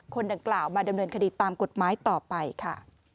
คนดังกล่าวมาดำเนินคดีตามกฎหมายต่อไปค่ะ